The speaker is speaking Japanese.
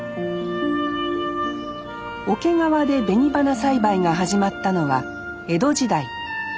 桶川で紅花栽培が始まったのは江戸時代。